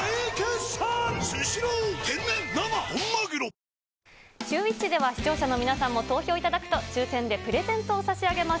さあ、シューＷｈｉｃｈでは、視聴者の皆さんも投票いただくと、抽せんでプレゼントを差し上げます。